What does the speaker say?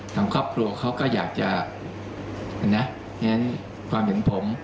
ทางครอบครัวเขาก็อยากจะนะยังไงนะความเหมือนผม